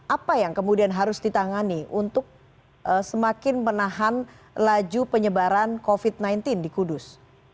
apa yang kemudian harus ditangani untuk semakin menahan laju penyebaran covid sembilan belas di kudus